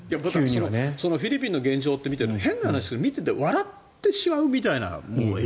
そのフィリピンの現状って見てると変な話だけど笑ってしまうみたいなえ？